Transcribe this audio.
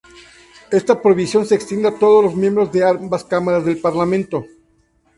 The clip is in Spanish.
Esta prohibición se extiende a todos los miembros de ambas cámaras del Parlamento.